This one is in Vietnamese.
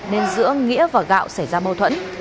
nên giữa nghĩa và gạo xảy ra mâu thuẫn